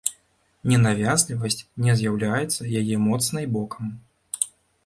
Ненавязлівасць не з'яўляецца яе моцнай бокам.